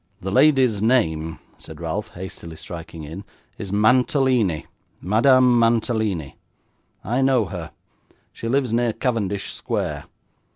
'The lady's name,' said Ralph, hastily striking in, 'is Mantalini Madame Mantalini. I know her. She lives near Cavendish Square.